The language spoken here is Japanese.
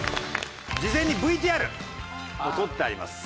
事前にＶＴＲもう撮ってあります。